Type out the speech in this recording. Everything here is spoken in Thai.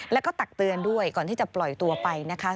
แล้วก็ตักเตือนด้วยก่อนที่จะปล่อยตัวไปนะคะ